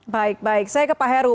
baik baik saya ke pak heru